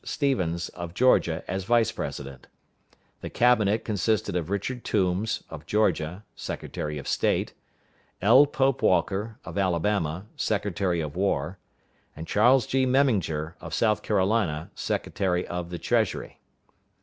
Stephens, of Georgia, as Vice president. The Cabinet consisted of Robert Toombs, of Georgia, Secretary of State; L. Pope Walker, of Alabama, Secretary of War; and Charles G. Memminger, of South Carolina, Secretary of the Treasury.